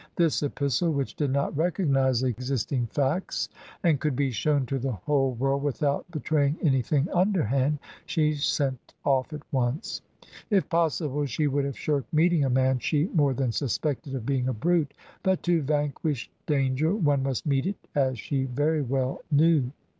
This epistle, which did not recognise existing facts and could be shown to the whole world without betraying anything underhand, she sent off at once. If possible, she would have shirked meeting a man she more than suspected of being a brute. But to vanquish danger one must meet it, as she very well knew.